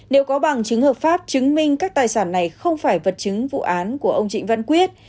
nếu có bằng chứng hợp pháp chứng minh các tài sản này không phải vật chứng vụ án của ông trịnh văn quyết